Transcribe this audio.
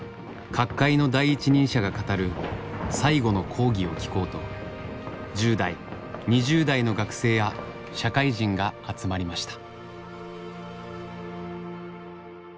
各界の第一人者が語る「最後の講義」を聴こうと１０代２０代の学生や社会人が集まりました。